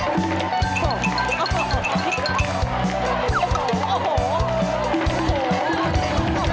เต้นเต็มที่เลยมาก